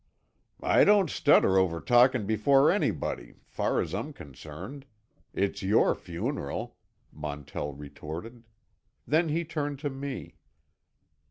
"I don't stutter over talkin' before anybody, far as I'm concerned. It's your funeral," Montell retorted. Then he turned to me.